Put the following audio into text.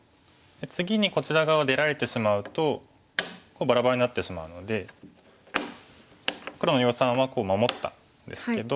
次にこちら側出られてしまうとバラバラになってしまうので黒の余さんはこう守ったんですけど。